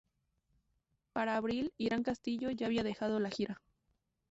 Para abril, Irán Castillo ya había dejado la gira.